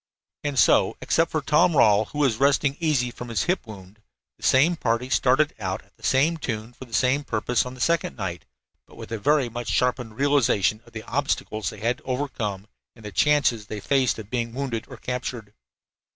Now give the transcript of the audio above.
And so, except for Tom Rawle, who was resting easy from his hip wound, the same party started out at the same tune for the same purpose on this second night, but with a very much sharpened realization of the obstacles they had to overcome and the chances they faced of being wounded or captured.